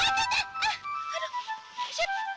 aduh aduh aduh